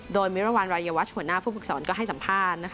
โดยมิรวรรณรายวัชหัวหน้าผู้ฝึกศรก็ให้สัมภาษณ์